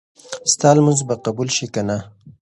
ستا لمونځ به قبول شي که نه؟